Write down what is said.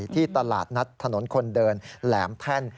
ที่ตลาดนัดถนนคนเดินแหลมแท่น